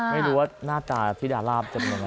ไม่รู้ว่าหน้าตาธิดาราบจะเป็นยังไง